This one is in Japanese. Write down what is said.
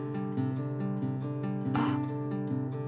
あっ。